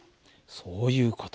そういう事。